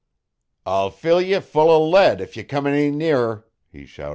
'I'll fill ye full o' lead if ye come any nearer,' he shouted.